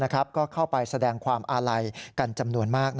ก็เข้าไปแสดงความอาลัยกันจำนวนมาก